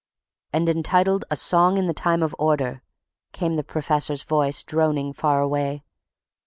"And entitled A Song in the Time of Order," came the professor's voice, droning far away.